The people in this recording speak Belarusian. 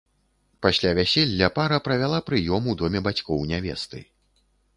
Пасля вяселля пара правяла прыём у доме бацькоў нявесты.